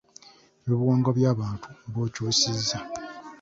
Ebyobuwangwa by’abantu b’okyusiza